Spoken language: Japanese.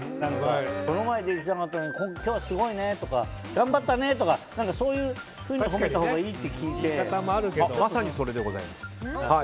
この前できなかったのに今日はすごいねとか頑張ったねとかそういうふうにしたほうがまさに、それでございます。